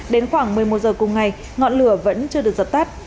đến khoảng một mươi một h cùng ngày ngọn lửa vẫn chưa được dập tắt